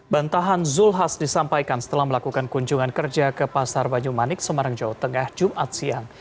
bantahan zulkifli hasan disampaikan setelah melakukan kunjungan kerja ke pasar banyumanik semarang jawa tengah jumat siang